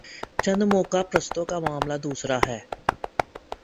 چند موقع پرستوں کا معاملہ دوسرا ہے۔